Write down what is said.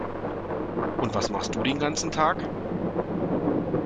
Und was machst du den ganzen Tag?